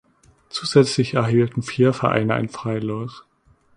Zusätzlich erhielten vier Vereine ein Freilos.